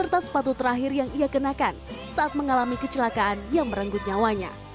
serta sepatu terakhir yang ia kenakan saat mengalami kecelakaan yang merenggut nyawanya